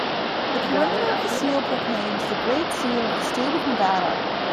The perimeter of the seal proclaims "The Great Seal of the State of Nevada".